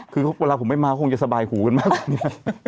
คือเวลาผมไม่มาคงจะสบายหูกันมากกว่านี้